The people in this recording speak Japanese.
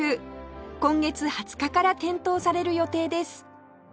今月２０日から点灯される予定です